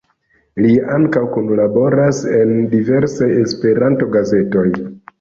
Lia ankaŭ kunlaboras en diversaj Esperanto-gazetoj.